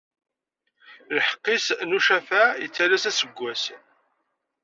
Lḥeqq-is n ucafaɛ ittalas aseggas.